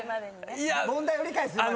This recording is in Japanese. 問題を理解するまで？